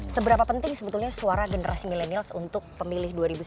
seberapa penting sebetulnya suara generasi milenial untuk pemilih dua ribu sembilan belas